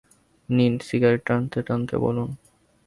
নিন, সিগারেট টানতে-টানতে বলুন।